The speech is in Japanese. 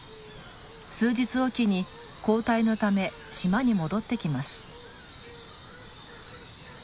数日置きに交代のため島に戻ってきます。